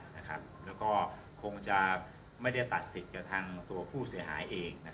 แล้วก็คงจะไม่ได้ตัดสิทธิ์กับทางตัวผู้เสียหายเอง